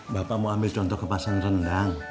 bapak mau ambil contoh kepasang rendang